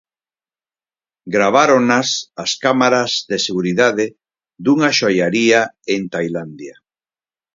Graváronas as cámaras de seguridade dunha xoiaría en Tailandia.